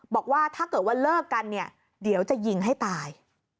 บอกว่าถ้าเกิดว่าเลิกกันเนี่ยเดี๋ยวจะยิงให้ตาย